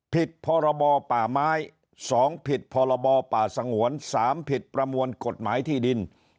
ผิดพรบป่าไม้๒ผิดพรบป่าสงวน๓ผิดประมวลกฎหมายที่ดิน